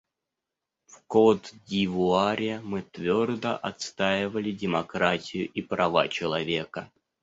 В Котд'Ивуаре мы твердо отстаивали демократию и права человека.